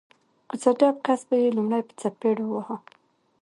کوڅه ډب کس به یې لومړی په څپېړو واهه